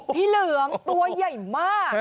เหลืองตัวใหญ่มาก